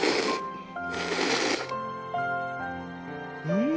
うん！